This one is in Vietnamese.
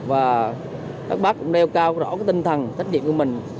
và các bác cũng nêu cao rõ tinh thần trách nhiệm của mình